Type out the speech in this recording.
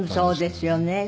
そうですよね。